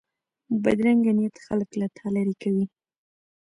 بدرنګه نیت خلک له تا لرې کوي